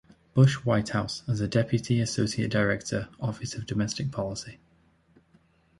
Bush White House as a Deputy Associate Director, Office of Domestic Policy.